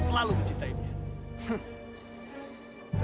tentu lu obsesikan dia kan